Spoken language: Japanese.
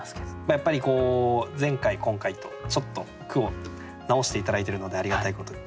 やっぱり前回今回とちょっと句を直して頂いてるのでありがたいことに。